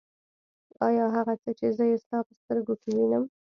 آيا هغه څه چې زه يې ستا په سترګو کې وينم.